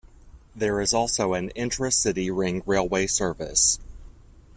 There is also an intra-city ring railway service.